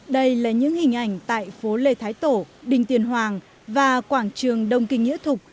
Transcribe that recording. đây là những hình ảnh tại phố lê thái tổ đình tiền hoàng và quảng trường đông kinh nghĩa thục